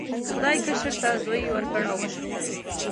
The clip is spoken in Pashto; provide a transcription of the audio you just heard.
خدای کشر ته زوی ورکړ او مشر ته لور.